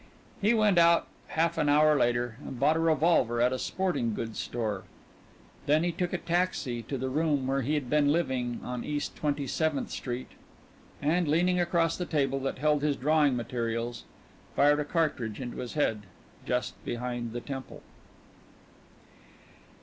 He went out half an hour later and bought a revolver at a sporting goods store. Then he took a taxi to the room where he had been living on East Twenty seventh Street, and, leaning across the table that held his drawing materials, fired a cartridge into his head just behind the temple.